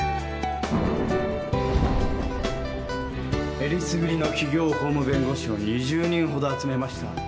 えりすぐりの企業法務弁護士を２０人ほど集めました。